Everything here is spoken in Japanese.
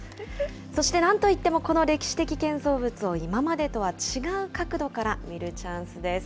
そして、なんといってもこの歴史的建造物を、今までとは違う角度から見るチャンスです。